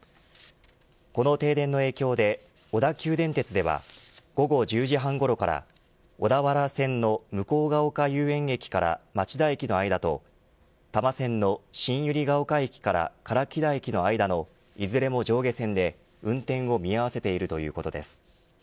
この停電の影響で小田急電鉄では午後１０時半ごろから小田原線の向ヶ丘遊園駅から町田駅の間と多摩線の新百合ヶ丘駅から唐木田駅の間のいずれも上下線で運転を見合わせているということです。